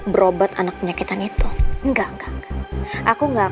baru aku pulang